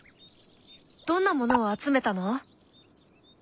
どんなものを集めたの？